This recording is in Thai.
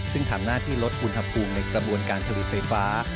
ซึ่งทำหน้าที่ลดอุณหภูมิในกระบวนการผลิตไฟฟ้า